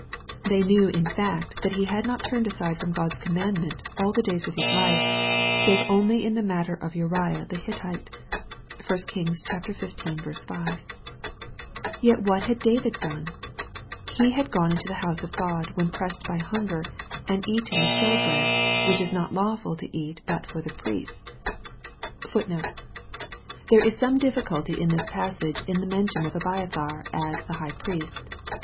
They knew in fact that he had not turned aside from God's commandment, all the days of his life, " save only in the matter of Uriah the Hittite." (1 Kings xv. 5.) Yet what had David done ? He had gone into the house of God, when pressed by hunger, and eaten " the shewbread, which is not lawful to eat but for the priests."* He had thus shown that * There is some difficulty in this passage in the mention of Abia thar as " the High Priest."